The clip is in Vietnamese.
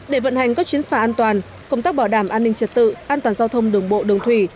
để vận hành các chuyến phà an toàn công tác bảo đảm an ninh trật tự an toàn giao thông đường bộ đường thủy